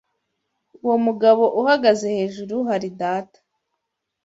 Uwo mugabo uhagaze hejuru hari data.